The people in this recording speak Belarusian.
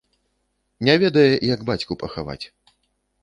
Не ведае, як бацьку пахаваць.